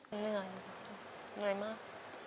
เหนื่อยเหนื่อยมาก